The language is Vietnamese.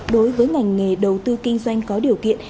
đối với ngành nghề đầu tư kinh doanh có điều kiện